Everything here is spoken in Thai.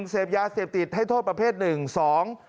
เสพยาเสพติดให้โทษประเภทหนึ่งสอง